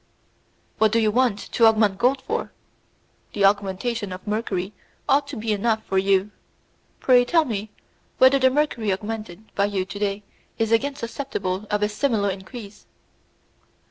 "What do you want to augment gold for? The augmentation of mercury ought to be enough for you. Pray, tell me whether the mercury augmented by you to day is again susceptible of a similar increase."